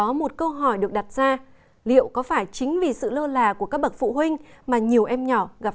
đó một câu hỏi được đặt ra liệu có phải chính vì sự lơ là của các bậc phụ huynh mà nhiều em nhỏ gặp